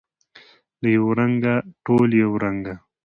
له یوه رنګه، ټوله یو رنګه